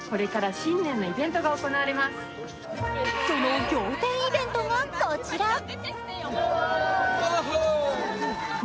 その仰天イベントが、こちら。